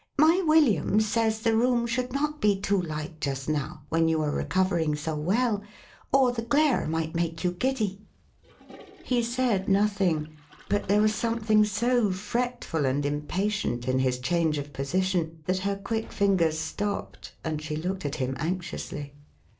My William says the room should not be too light just now, when you are recovering so well, or the glare might make you giddy."" He said nothing; but there was something so fretful and impatient in his change of position, that her quick fingers stopped, and she looked at him anxiously.